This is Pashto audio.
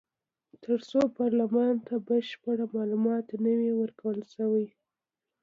تر څو پارلمان ته بشپړ معلومات نه وي ورکړل شوي.